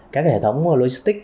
các hệ thống logistics